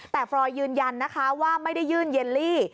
แต่ฟรอยยืนยันนะคะว่าไม่ได้ยื่นเยลลี่